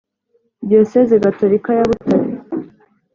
Diyosezi gatorika ya butare